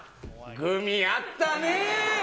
グミあったねぇ？